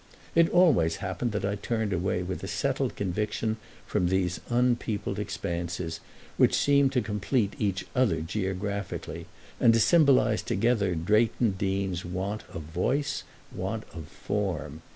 It always happened that I turned away with a settled conviction from these unpeopled expanses, which seemed to complete each other geographically and to symbolise together Drayton Deane's want of voice, want of form.